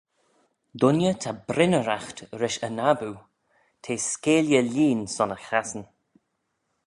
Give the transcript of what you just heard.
Dooinney ta brynneraght rish e naboo, t'eh skeayley lieen son e chassyn.